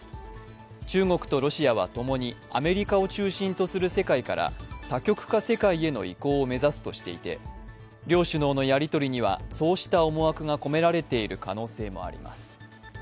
中国とロシアは共にアメリカを中心とする世界から多極化世界への移行を目指すとしていて両首脳のやり取りにはそうした思惑が込められている可能性もあります。